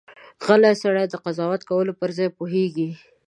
غلی سړی، د قضاوت کولو پر ځای پوهېږي.